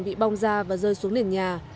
bị bong ra và rơi xuống đến nhà